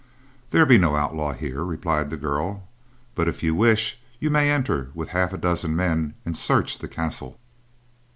"There be no outlaw here," replied the girl, "but, if you wish, you may enter with half a dozen men and search the castle."